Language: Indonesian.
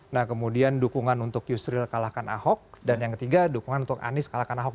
nah kemudian dukungan untuk yusril kalahkan ahok dan yang ketiga dukungan untuk anies kalahkan ahok